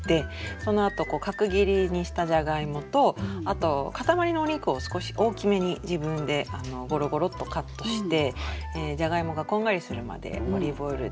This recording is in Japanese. そのあと角切りにしたじゃがいもとあとかたまりのお肉を少し大きめに自分でゴロゴロッとカットしてじゃがいもがこんがりするまでオリーブオイルで。